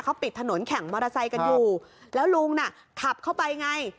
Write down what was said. เขาปิดถนนแข่งมอเตอร์ไซค์กันอยู่แล้วลุงน่ะขับเข้าไปไง